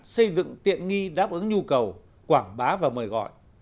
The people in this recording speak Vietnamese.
xây dựng tiện nghi đáp ứng nhu cầu quảng bá và mời gọi